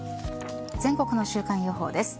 全国の週間予報です。